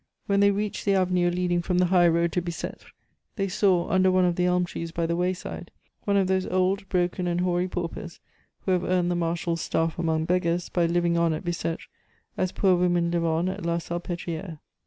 When they reached the avenue leading from the highroad to Bicetre, they saw, under one of the elm trees by the wayside, one of those old, broken, and hoary paupers who have earned the Marshal's staff among beggars by living on at Bicetre as poor women live on at la Salpetriere.